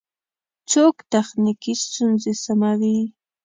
څوک تخنیکی ستونزی سموي؟